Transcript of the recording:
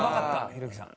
ひろゆきさん。